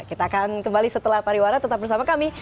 kita akan kembali setelah pariwara tetap bersama kami